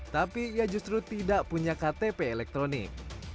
tapi ia justru tidak punya ktp elektronik